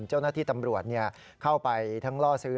เจ้าหน้าที่ตำรวจเข้าไปทั้งล่อซื้อ